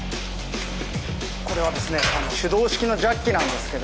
これはですね手動式のジャッキなんですけど。